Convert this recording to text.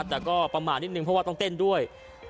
แต่ก็ประมาทนิดนึงเพราะว่าต้องเต้นด้วย